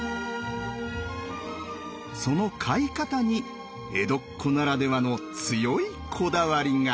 その飼い方に江戸っ子ならではの強いこだわりが！